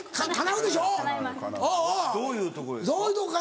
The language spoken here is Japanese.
・どういうとこですか？